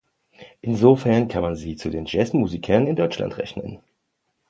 Insofern kann man sie zu den Jazzmusikern in Deutschland rechnen.